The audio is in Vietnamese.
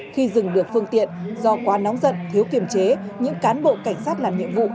khi dừng được phương tiện do quá nóng giật thiếu kiểm chế những cán bộ cảnh sát làm nhiệm vụ